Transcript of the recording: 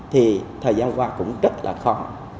thì thời gian qua cũng rất là khó